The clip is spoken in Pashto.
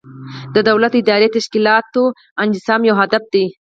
د دولت د اداري تشکیلاتو انسجام یو هدف دی.